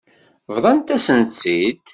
Bḍant-asent-tt-id.